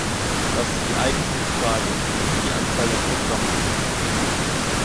Das ist die eigentliche Frage, nicht die Anzahl der Programme.